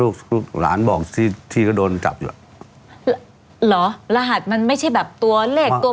ลูกลูกหลานบอกที่ที่ก็โดนจับอยู่เหรอรหัสมันไม่ใช่แบบตัวเลขตัว